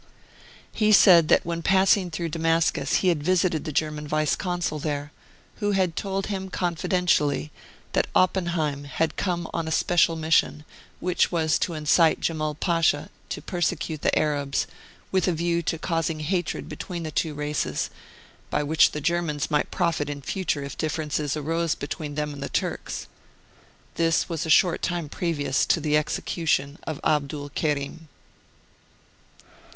He said that when passing through Damascus he had visited the German Vice Consul there, who had told him confidentially that Oppenheim had come on a special mission, which was to incite Jemal Pasha to persecute the Arabs, with a view to causing hatred between the two races, by which the Germans might profit in future if differences arose between them and the Turks. This was a short time pre vious to the execution of Abdul Kerim.